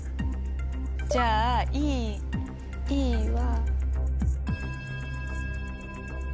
じゃあＥは。